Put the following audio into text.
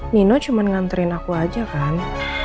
nino cuma nganterin aku aja kan